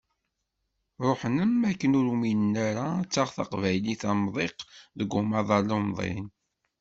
Ṛuḥen am wakken ur uminen ara ad taɣ teqbaylit amdiq deg umaḍal umḍin.